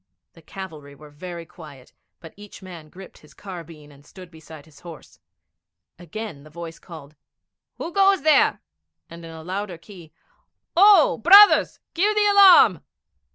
The cavalry were very quiet, but each man gripped his carbine and stood beside his horse. Again the voice called, 'Who goes there?' and in a louder key, 'O, brothers, give the alarm!'